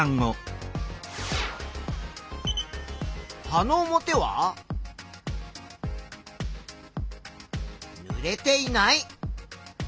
葉の表はぬれていない。